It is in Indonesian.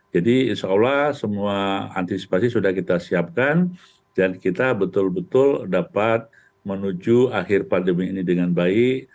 jadi insya allah semua antisipasi sudah kita siapkan dan kita betul betul dapat menuju akhir pandemi ini dengan baik